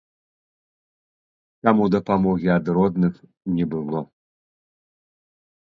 Таму дапамогі ад родных не было.